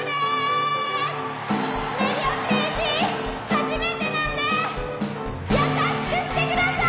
初めてなんで優しくしてください！